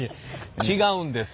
違うんです。